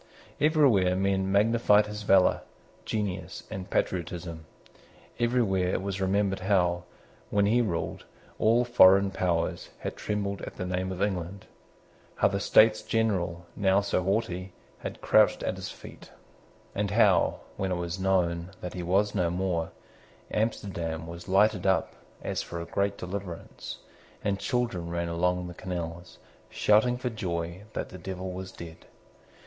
Everywhere men magnified his valour, genius, and patriotism. Everywhere it was remembered how, when he ruled, all foreign powers had trembled at the name of England, how the States General, now so haughty, had crouched at his feet, and how, when it was known that he was no more, Amsterdam was lighted up as for a great deliverance, and children ran along the canals, shouting for joy that the Devil was dead.